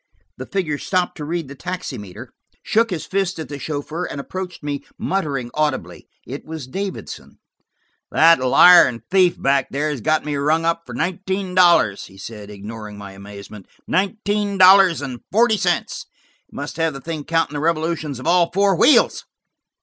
The figure stopped to read the taximeter, shook his fist at the chauffeur, and approached me, muttering audibly. It was Davidson. "That liar and thief back there has got me rung up for nineteen dollars," he said, ignoring my amazement. "Nineteen dollars and forty cents! He must have the thing counting the revolutions of all four wheels!"